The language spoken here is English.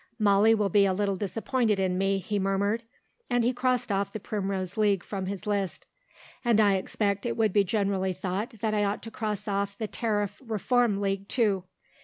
"Molly will be a little disappointed in me," he murmured, and crossed off the Primrose League from his list. "And I expect it would be generally thought that I ought to cross off the Tariff Reform League, too."